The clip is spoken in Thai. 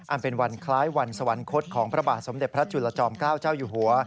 อันเป็นวันคล้ายวันสวรรคตของพระบาทสมเด็จพระจุลจอมเกล้าเจ้าอยู่หัว